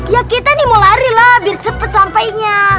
ya kita nih mau lari lah biar cepat sampainya